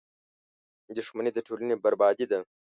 • دښمني د ټولنې بربادي ده.